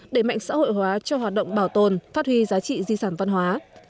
để mạnh xã hội hóa cho hoạt động bảo tồn phát huy giá trị di sản văn hóa